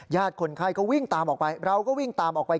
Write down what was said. คนไข้ก็วิ่งตามออกไปเราก็วิ่งตามออกไป